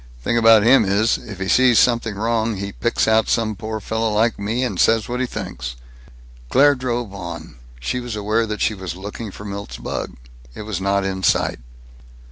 Thing about him is: if he sees something wrong, he picks out some poor fellow like me, and says what he thinks." Claire drove on. She was aware that she was looking for Milt's bug. It was not in sight.